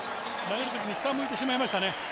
投げるときに下を向いてしまいましたね。